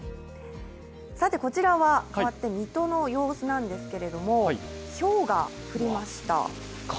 こちらは変わって水戸の様子ですけれども、ひょうが降りました。